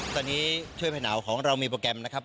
ตอนนี้ช่วยผู้ประสบภัยหนาวของเรามีโปรแกรมนะครับ